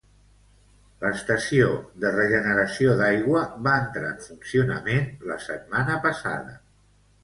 L'estació de regeneració d'aigua va entrar en funcionament la setmana passada.